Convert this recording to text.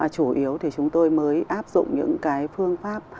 chủ yếu thì chúng tôi mới áp dụng những cái phương pháp